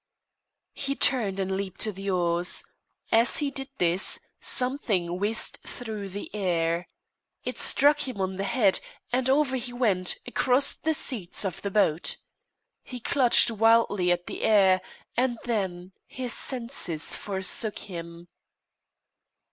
He turned and leaped to the oars. As he did this, something whizzed through the air. It struck him on the head, and over he went, across the seats of the boat. He clutched wildly at the air; and then his senses forsook him.